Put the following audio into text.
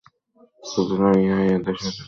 বুঝিলাম, ইহাই এই দেশের রীতি।